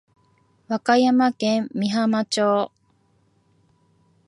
和歌山県美浜町